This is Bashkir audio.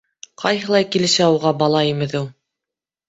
Ҡайһылай килешә уға бала имеҙеү!